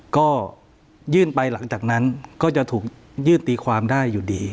ก็ยื่นไปหลังจากนั้นก็จะถูกยื่นตีความได้อยู่ดี